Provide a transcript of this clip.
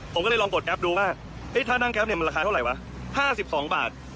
ผมก็เลยลองโกรธแก๊ปดูว่าเอ๊ะถ้านั่งแก๊ปเนี่ยมันราคาเท่าไรวะห้าสิบสองบาท